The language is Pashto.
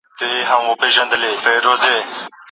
د مالونو ناحقه خوړل فساد خپروي.